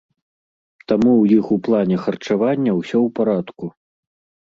Таму ў іх у плане харчавання ўсё ў парадку.